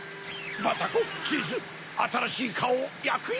バタコチーズあたらしいカオをやくよ！